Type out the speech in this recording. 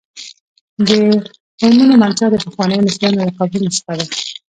د هرمونو منشا د پخوانیو مصریانو له قبرونو څخه ده.